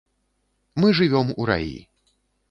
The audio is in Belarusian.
Мы жывём у раі.